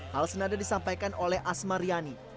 hal senada disampaikan oleh asmar riani